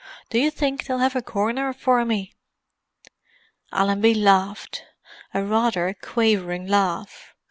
Do you think they'll have a corner for me?" Allenby laughed—a rather quavering laugh.